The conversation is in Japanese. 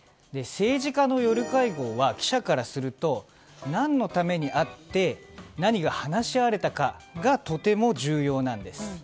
政治家の夜会合は記者からすると何のために会って何が話し合われたかがとても重要なんです。